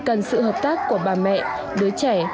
cần sự hợp tác của bà mẹ đứa trẻ